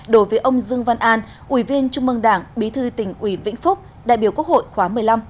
đối với ông dương văn an ủy viên trung mương đảng bí thư tỉnh ủy vĩnh phúc đại biểu quốc hội khóa một mươi năm